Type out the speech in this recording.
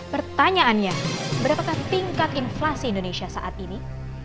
pertanyaannya berapakah tingkat inflasi indonesia saat ini